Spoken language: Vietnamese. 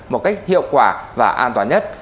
một cách hiệu quả và an toàn nhất